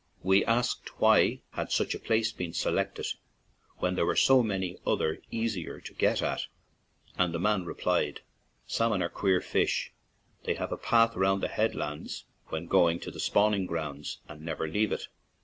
We asked why had such a place been selected when there were so many others easier to get at, and the man replied: "Salmon are queer fish; they have a path round the headlands when going to the spawning grounds, and never leave it.